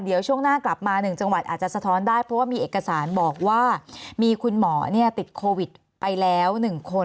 เดี๋ยวช่วงหน้ากลับมา๑จังหวัดอาจจะสะท้อนได้เพราะว่ามีเอกสารบอกว่ามีคุณหมอติดโควิดไปแล้ว๑คน